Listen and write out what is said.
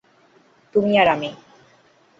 তুমি আর আমি।